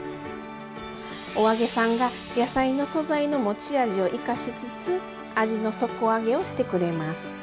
お揚げさんが野菜の素材の持ち味を生かしつつ味の底上げをしてくれます。